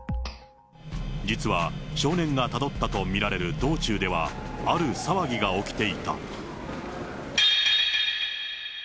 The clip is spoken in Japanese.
実は少年がたどったと見られる道中では、ある騒ぎが起きていた。